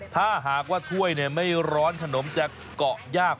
ถ้าหากว่าถ้วยไม่ร้อนขนมจะเกาะยาก